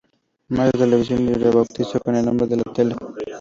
Marte Televisión es rebautizado con el nombre de "La Tele".